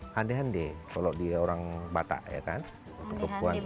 handi handi kalau dia orang batak ya kan